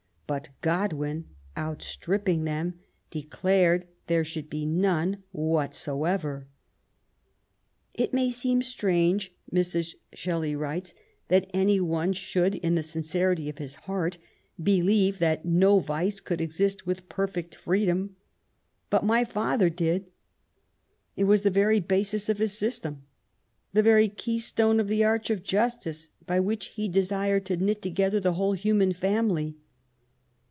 But Godwin, outstripping them, declared there should be none whatsoever. "It may seem strange,*' Mrs. Shelley writes, '^that anyone should, in the sincerity of his heart, believe that no vice could exist with perfect freedom, but my father did ; it was the very basis of his system, the very key stone of the arch of justice, by which he desired to knit together the whole human family."